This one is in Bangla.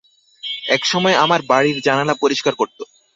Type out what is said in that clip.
একসময় আমার বাড়ির জানালা পরিষ্কার করত।